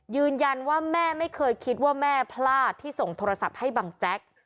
ยืนยันว่าแม่ไม่เคยคิดว่าแม่พลาดที่ส่งโทรศัพท์ให้บังแจ๊ก